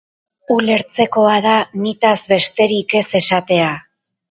Ulertzekoa da nitaz besterik ez esatea.